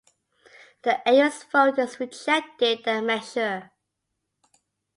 The area's voters rejected that measure.